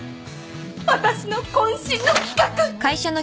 私の渾身の企画！